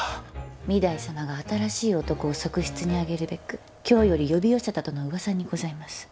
御台様が新しい男を側室に上げるべく京より呼び寄せたとの噂にございます。